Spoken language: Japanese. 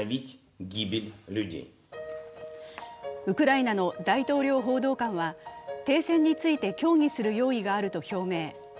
ウクライナの大統領報道官は停戦について協議する用意があると表明。